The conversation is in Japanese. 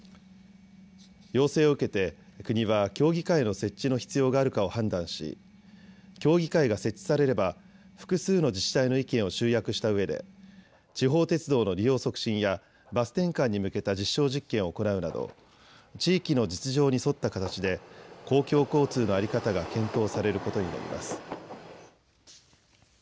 要請を受けて国は協議会の設置の必要があるかを判断し協議会が設置されれば複数の自治体の意見を集約したうえで地方鉄道の利用促進やバス転換に向けた実証実験を行うなど地域の実情に沿った形で公共交通の在り方が検討されることになります。